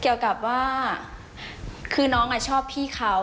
เกี่ยวกับว่าคือน้องชอบพี่เขา